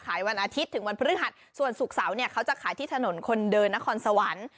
วันอาทิตย์ถึงวันพฤหัสส่วนศุกร์เสาร์เนี่ยเขาจะขายที่ถนนคนเดินนครสวรรค์